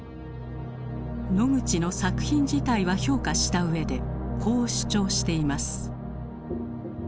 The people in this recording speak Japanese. ノグチの作品自体は評価した上でこう主張しています。